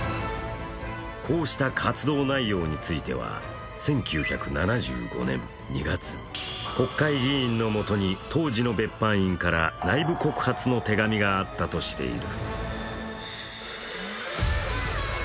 こうした活動内容については１９７５年２月、国会議員のもとに当時の別班員から内部告発の手紙があったとしている。